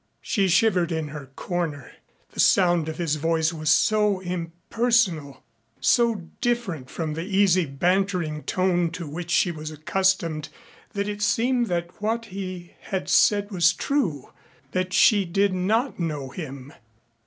She shivered in her corner. The sound of his voice was so impersonal, so different from the easy bantering tone to which she was accustomed, that it seemed that what he had said was true that she did not know him.